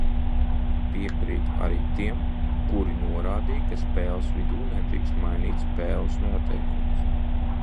Piekrītu arī tiem, kuri norādīja, ka spēles vidū nedrīkst mainīt spēles noteikumus.